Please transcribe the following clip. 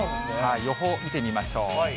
予報見てみましょう。